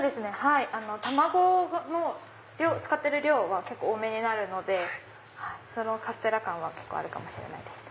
卵を使ってる量は結構多めになるのでカステラ感は結構あるかもしれないです。